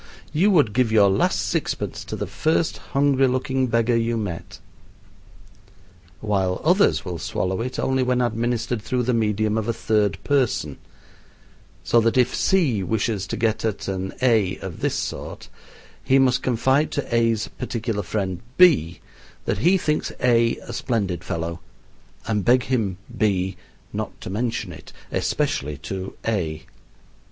You would give your last sixpence to the first hungry looking beggar you met;" while others will swallow it only when administered through the medium of a third person, so that if C wishes to get at an A of this sort, he must confide to A's particular friend B that he thinks A a splendid fellow, and beg him, B, not to mention it, especially to A.